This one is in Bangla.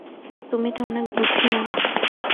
তুমি তো অনেক বুদ্ধিমান!